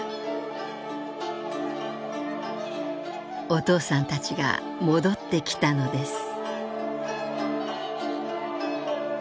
「お父さんたちが戻ってきたのです」。